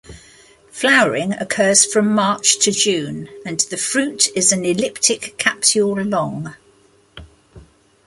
Flowering occurs from March to June and the fruit is an elliptic capsule long.